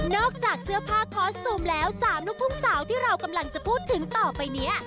จากเสื้อผ้าคอสตูมแล้ว๓ลูกทุ่งสาวที่เรากำลังจะพูดถึงต่อไปนี้